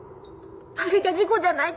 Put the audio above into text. あれが事故じゃないって